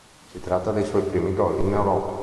Si tratta dei suoi primi gol in Europa.